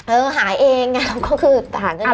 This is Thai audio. เออหาเองเราก็คือหาเงินเอง